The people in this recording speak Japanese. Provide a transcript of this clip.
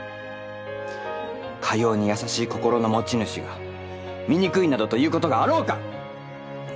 かように優しい心の持ち主が醜いなどということがあろうか！